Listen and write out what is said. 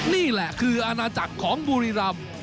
นี่แหละคืออาณาจักรของบุรีรำ